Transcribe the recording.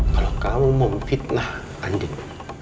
kalau kamu memfitnah andin